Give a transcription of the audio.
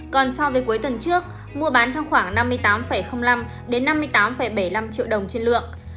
còn so với cuối tuần trước mua bán trong khoảng năm mươi tám năm đến năm mươi tám bảy mươi năm triệu đồng trên lượng